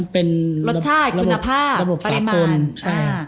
เป็นรสชาติคุณภาพปริมาณอ่า